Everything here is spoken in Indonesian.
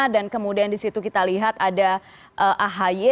dan kemudian disitu kita lihat ada ahy